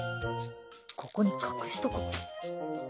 ここに隠しとこう。